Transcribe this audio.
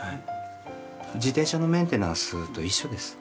自転車のメンテナンスと一緒です。